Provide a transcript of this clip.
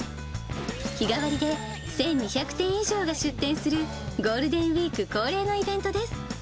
日替わりで１２００店以上が出店するゴールデンウィーク恒例のイベントです。